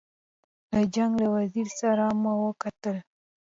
له جنګ له وزیر سره مو وکتل.